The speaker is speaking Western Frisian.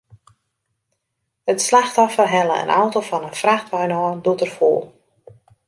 It slachtoffer helle in auto fan in frachtwein ôf, doe't er foel.